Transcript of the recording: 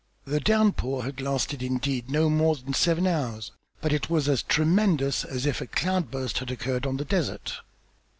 The downpour had lasted indeed not more than seven hours, but it was as tremendous as if a cloud burst had occurred on the desert.